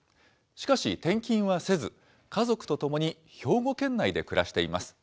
しかし、転勤はせず、家族と共に兵庫県内で暮らしています。